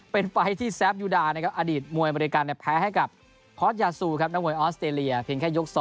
เป็นไฟล์ที่แซฟยูดานะครับอดีตมวยอเมริกันแพ้ให้กับฮอตยาซูครับนักมวยออสเตรเลียเพียงแค่ยก๒